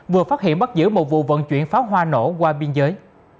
vừa phát hiện bắt giữ một vụ vận chuyển pháo hoa nổ qua biên giới